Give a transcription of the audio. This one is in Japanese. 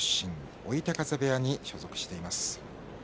追手風部屋に所属しています。